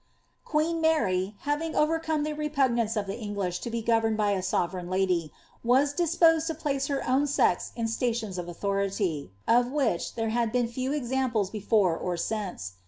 "' Qfieen Mary haTing overcome the repognance of the English to be governed by a sovereign hidy, was dii^iosed to plaee her own eei ie stations of authority^ of which there had been few examples befois or since.